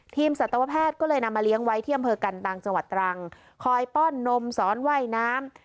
สัตวแพทย์ก็เลยนำมาเลี้ยงไว้ที่อำเภอกันตังจังหวัดตรังคอยป้อนนมสอนว่ายน้ำ